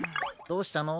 どうしたの？